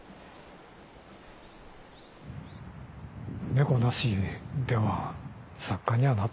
猫なしでは作家にはなってないね。